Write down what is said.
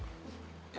sampai jumpa lagi